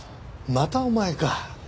またお前か。